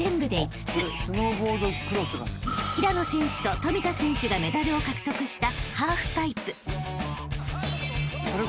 ［平野選手と冨田選手がメダルを獲得した］